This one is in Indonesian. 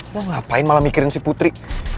udah ngapain malah mikirin si putri